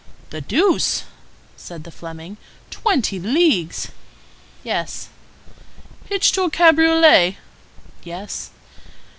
"The deuce!" said the Fleming. "Twenty leagues!" "Yes." "Hitched to a cabriolet?" "Yes."